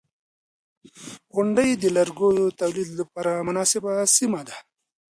• غونډۍ د لرګیو د تولید لپاره مناسبه سیمه ده.